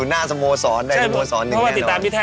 ฮ่า